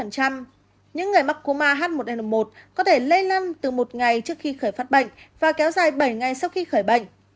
những người mắc cúm ah một n một có thể lây lan từ một ngày trước khi khởi phát bệnh và kéo dài bảy ngày sau khi khởi bệnh